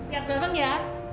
siap bareng ya